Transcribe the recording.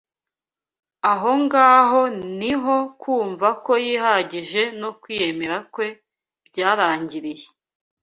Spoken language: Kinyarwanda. Ahongaho niho kumva ko yihagije no kwiyemera kwe byarangiriye